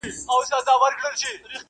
نه واسکټ، نه به ځان مرګی، نه به ترور وي!.